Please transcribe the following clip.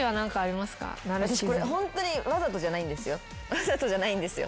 わざとじゃないんですよ。